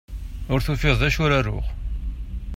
Ur tufiḍ d acu ara aruɣ.